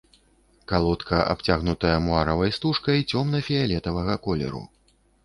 Калодка абцягнутая муаравай стужкай цёмна-фіялетавага колеру.